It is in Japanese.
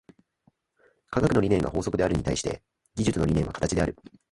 科学の理念が法則であるに対して、技術の理念は形である。